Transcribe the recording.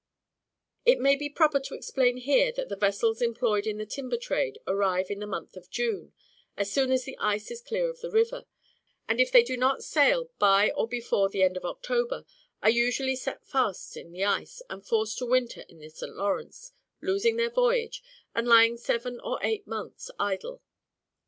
It may be proper to explain here that the vessels employed in the timber trade arrive in the month of June, as soon as the ice is clear of the river, and, if they do not sail by or before the end of October, are usually set fast in the ice, and forced to winter in the St Lawrence, losing their voyage, and lying seven or eight months idle.